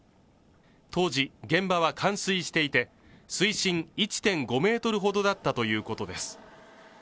当時、現場は冠水していて水深１．５メートルほどだったということです。